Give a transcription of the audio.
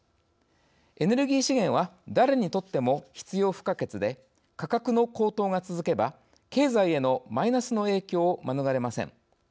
エネルギー資源は、誰にとっても必要不可欠で価格の高騰が続けば経済へのマイナスの影響を免れません。